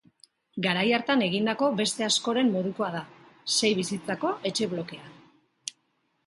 Garai hartan egindako beste askoren modukoa da, sei bizitzako etxe-blokea.